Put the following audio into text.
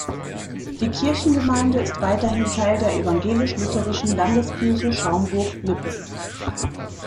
Die Kirchengemeinde ist weiterhin Teil der Evangelisch-Lutherischen Landeskirche Schaumburg-Lippe.